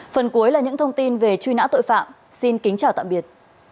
phần cuối là những thông tin về truy nã tội phạm xin kính chào tạm biệt